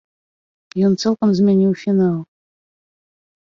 Ён цалкам змяніў фінал.